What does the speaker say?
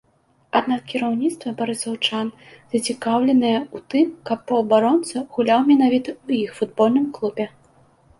Аднак кіраўніцтва барысаўчан зацікаўленае ў тым, каб паўабаронца гуляў менавіта ў іх футбольным клубе.